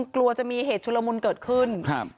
กลัวจะมีเหตุชุลมุนเกิดขึ้น